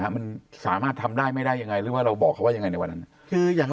มันสามารถทำได้ไม่ได้ยังไงหรือว่าเราบอกเขาว่ายังไงในวันนั้น